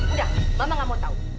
udah mama gak mau tau